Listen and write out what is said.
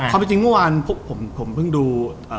ความจริงเมื่อวานผมเพิ่งดู